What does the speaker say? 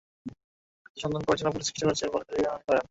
তাঁর সন্ধান পাওয়ার জন্য পুলিশ চেষ্টা চালাচ্ছে বলে তিনি দাবি করেন।